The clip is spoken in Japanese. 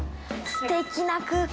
すてきな空間。